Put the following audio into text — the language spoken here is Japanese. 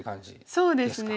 そうですね。